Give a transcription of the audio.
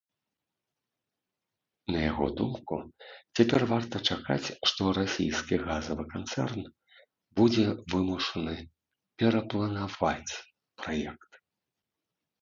На яго думку, цяпер варта чакаць, што расійскі газавы канцэрн будзе вымушаны перапланаваць праект.